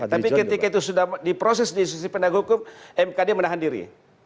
tapi ketika itu sudah diproses di institusi pendagang hukum mkd menahan diri